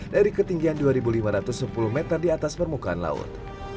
dari ketinggian dua lima ratus sepuluh meter di atas permukaan laut